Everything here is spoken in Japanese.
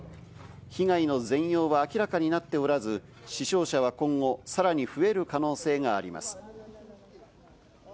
被害の全容は明らかになっておらず、死傷者は今後さらに増える可能性があります。